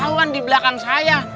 tau kan di belakang saya